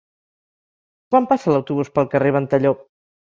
Quan passa l'autobús pel carrer Ventalló?